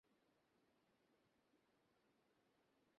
আরে, সাবধানে।